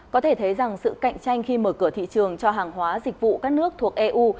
có thể thấy rằng sự cạnh tranh khi mở cửa thị trường cho hàng hóa dịch vụ các nước thuộc eu